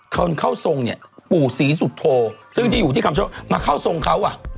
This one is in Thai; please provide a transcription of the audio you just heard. คนเข้าทรงเนี่ยปู่ศรีสุโธซึ่งที่อยู่ที่คำโชคมาเข้าทรงเขาอ่ะ